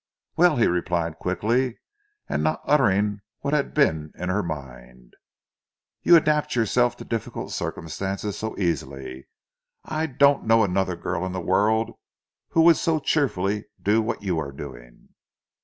"Well," he replied quickly, and not uttering what had been in her mind, "you adapt yourself to difficult circumstances so easily. I don't know another girl in the world who would so cheerfully do what you are doing."